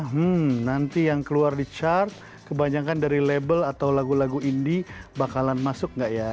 hmm nanti yang keluar di chart kebanyakan dari label atau lagu lagu indie bakalan masuk nggak ya